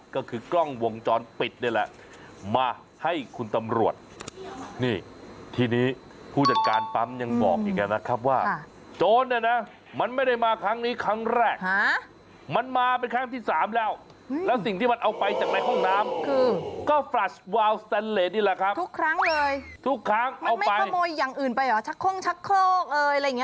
ก็คือกล้องวงจรปิดนี่แหละมาให้คุณตำรวจนี่ทีนี้ผู้จัดการปั๊มยังบอกอีกนะครับว่าโจรเนี่ยนะมันไม่ได้มาครั้งนี้ครั้งแรกมันมาเป็นครั้งที่สามแล้วแล้วสิ่งที่มันเอาไปจากในห้องน้ำคือก็แฟลชวาวสแตนเลสนี่แหละครับทุกครั้งเลยทุกครั้งเอาไปขโมยอย่างอื่นไปเหรอชักโค้งชักโคกเอ